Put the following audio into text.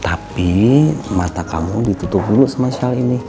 tapi mata kamu ditutup dulu semasa ini